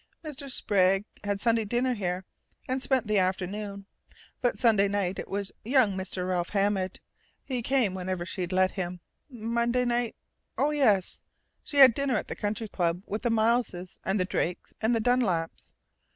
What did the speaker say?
Mr. Sprague had Sunday dinner here, and spent the afternoon, but Sunday night it was young Mr. Ralph Hammond. He come whenever she'd let him.... Monday night?... Oh, yes! She had dinner at the Country Club with the Mileses and the Drakes and the Dunlaps.